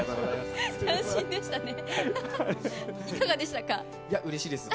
斬新でしたね。